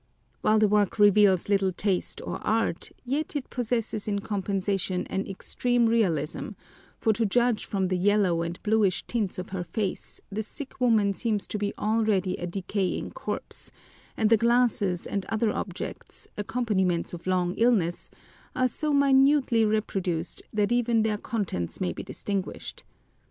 While the work reveals little taste or art, yet it possesses in compensation an extreme realism, for to judge from the yellow and bluish tints of her face the sick woman seems to be already a decaying corpse, and the glasses and other objects, accompaniments of long illness, are so minutely reproduced that even their contents may be distinguished.